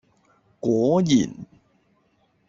果然！